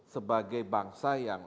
sebagai bangsa yang